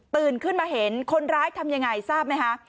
ขึ้นมาเห็นคนร้ายทำยังไงทราบไหมคะ